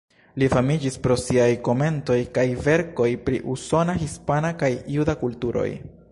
Li famiĝis pro siaj komentoj kaj verkoj pri usona, hispana kaj juda kulturoj.